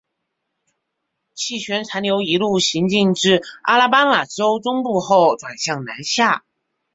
气旋残留一度行进至阿拉巴马州中部后转向南下。